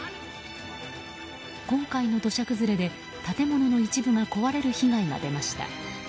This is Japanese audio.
今回の土砂崩れで建物の一部が壊れる被害が出ました。